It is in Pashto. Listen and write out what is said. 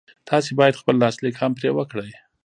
تاسې بايد خپل لاسليک هم پرې وکړئ.